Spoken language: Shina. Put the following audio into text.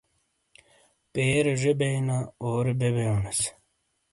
پیرے ڙے بینا، اورے بے بیونس۔